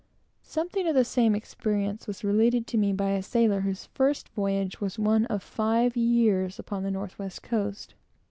Something of the same experience was related to me by a sailor whose first voyage was one of five years upon the North west Coast.